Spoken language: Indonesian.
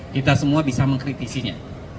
kita semua bisa mengkritisinya